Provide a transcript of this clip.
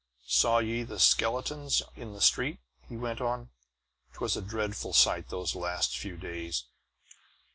"Saw ye the skeletons in the streets?" he went on. "'Twas a dreadful sight, those last few days.